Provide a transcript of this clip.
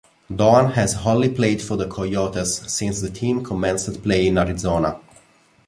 Doan has only played for the Coyotes since the team commenced play in Arizona.